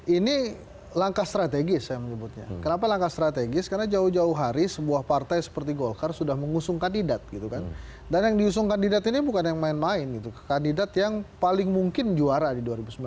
ini langkah strategis saya menyebutnya kenapa langkah strategis karena jauh jauh hari sebuah partai seperti golkar sudah mengusung kandidat gitu kan dan yang diusung kandidat ini bukan yang main main kandidat yang paling mungkin juara di dua ribu sembilan belas